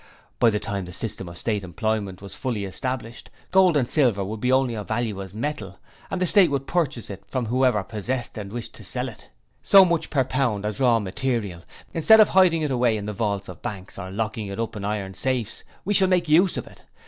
By the time the system of State employment was fully established, gold and silver would only be of value as metal and the State would purchase it from whoever possessed and wished to sell it at so much per pound as raw material: instead of hiding it away in the vaults of banks, or locking it up in iron safes, we shall make use of it.